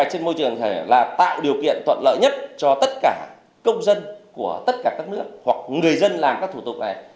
công khai minh bạch trên môi trường là tạo điều kiện thuận lợi nhất cho tất cả công dân của tất cả các nước hoặc người dân làm các thủ tục này